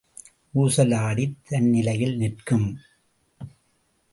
ஊசல் ஆடித் தன் நிலையில் நிற்கும்.